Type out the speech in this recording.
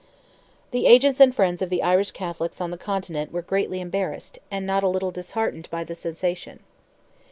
The agents and friends of the Irish Catholics on the Continent were greatly embarrassed, and not a little disheartened by the cessation.